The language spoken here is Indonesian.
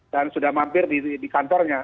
dan sudah mampir di kantornya